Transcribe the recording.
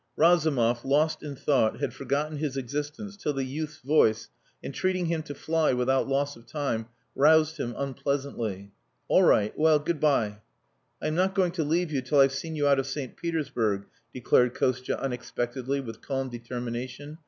Razumov, lost in thought, had forgotten his existence till the youth's voice, entreating him to fly without loss of time, roused him unpleasantly. "All right. Well good bye." "I am not going to leave you till I've seen you out of St. Petersburg," declared Kostia unexpectedly, with calm determination.